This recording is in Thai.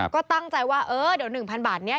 ก็ตั้งใจว่าเออเดี๋ยวหนึ่งพันบาทเนี่ย